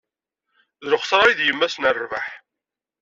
D lexṣara ay d yemma-s n rrbeḥ.